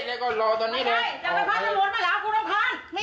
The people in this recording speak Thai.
ไปขนคลิปใช่ยังวะ